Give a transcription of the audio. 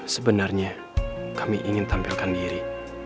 sebenarnya kami ingin tampilkan diri